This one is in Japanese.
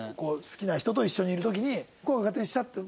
好きな人と一緒にいる時にこういうの勝手にしちゃって。